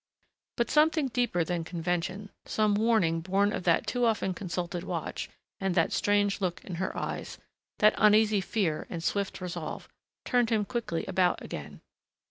But something deeper than convention, some warning born of that too often consulted watch and that strange look in her eyes, that uneasy fear and swift resolve, turned him quickly about again.